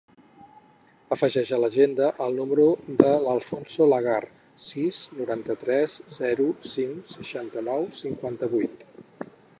Afegeix a l'agenda el número de l'Alfonso Lagar: sis, noranta-tres, zero, cinc, seixanta-nou, cinquanta-vuit.